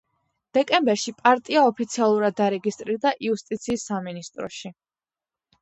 დეკემბერში პარტია ოფიციალურად დარეგისტრირდა იუსტიციის სამინისტროში.